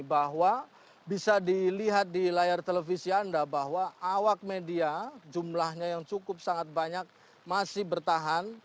bahwa bisa dilihat di layar televisi anda bahwa awak media jumlahnya yang cukup sangat banyak masih bertahan